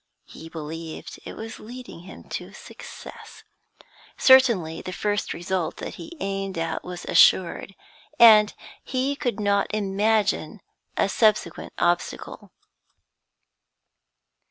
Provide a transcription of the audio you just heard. He believed it was leading him to success. Certainly the first result that he aimed at was assured, and he could not imagine a subsequent obstacle.